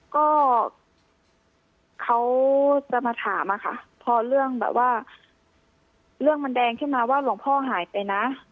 ก็เขาจะมาถามอะค่ะพอเรื่องแบบว่าเรื่องมันแดงขึ้นมาว่าหลวงพ่อหายไปนะ